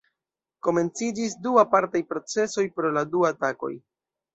Komenciĝis du apartaj procesoj pro la du atakoj.